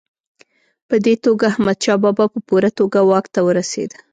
په دې توګه احمدشاه بابا په پوره توګه واک ته ورسېد.